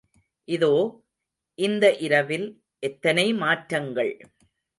இதோ, இந்த இரவில் எத்தனை மாற்றங்கள்.